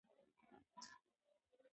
ښځې د سولې او همکارۍ پیغام خپروي.